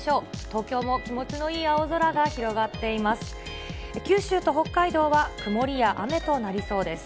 東京も気持ちのいい青空が広がっています。